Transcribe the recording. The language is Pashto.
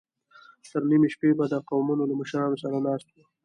تر نيمې شپې به د قومونو له مشرانو سره ناست و.